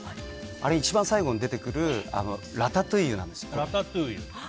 あれの一番最後に出てくるラタトゥイユなんですよ。